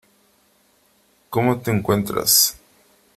¿Cómo te encuentras?